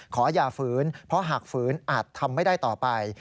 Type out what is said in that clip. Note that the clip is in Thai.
ขออย่าฝืนเพราะหากฝืนอาจทำไม่ได้ต่อไป